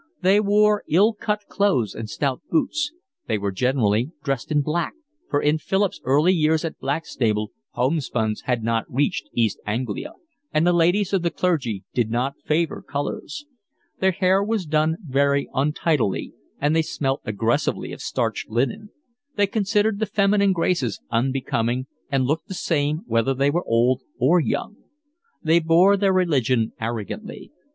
They wore ill cut clothes and stout boots. They were generally dressed in black, for in Philip's early years at Blackstable homespuns had not reached East Anglia, and the ladies of the clergy did not favour colours. Their hair was done very untidily, and they smelt aggressively of starched linen. They considered the feminine graces unbecoming and looked the same whether they were old or young. They bore their religion arrogantly.